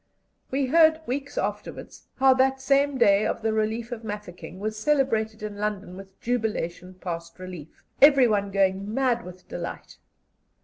We heard weeks afterwards how that same day of the relief of Mafeking was celebrated in London with jubilation past belief, everyone going mad with delight.